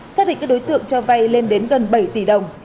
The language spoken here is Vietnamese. xác định các đối tượng cho vay lên đến gần bảy tỷ đồng